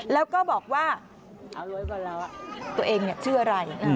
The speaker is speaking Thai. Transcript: แล้วก็บอกว่าตัวเองชื่ออะไร